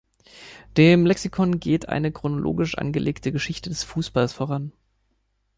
Dem Lexikon geht eine chronologisch angelegte "Geschichte des Fußballs" voran.